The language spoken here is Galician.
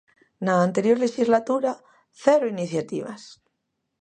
Na anterior lexislatura, ¡cero iniciativas!